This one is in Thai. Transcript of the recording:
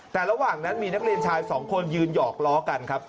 แต่ระหว่างนั้นมีนักเรียนชายสองคนยืนหยอกล้อกันครับ